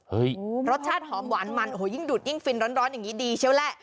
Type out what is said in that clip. รสชาติหอมหวานมันโอ้โหยิ่งดูดยิ่งฟินร้อนอย่างนี้ดีเชียวแหละ